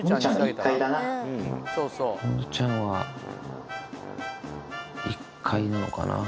むぅちゃんは１階なのかな。